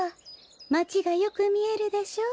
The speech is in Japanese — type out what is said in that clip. まちがよくみえるでしょ。